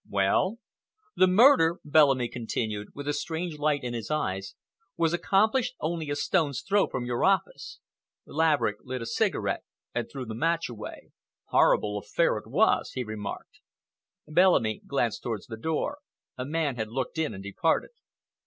"Well?" "The murder," Bellamy continued, with a strange light in his eyes, "was accomplished only a stone's throw from your office." Laverick lit a cigarette and threw the match away. "Horrible affair it was," he remarked. Bellamy glanced toward the door,—a man had looked in and departed.